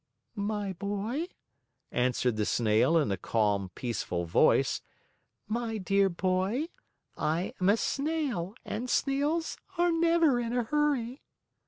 "My boy," answered the Snail in a calm, peaceful voice, "my dear boy, I am a snail and snails are never in a hurry."